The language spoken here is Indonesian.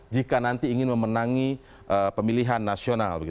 jika nanti ingin memenangi pemilihan nasional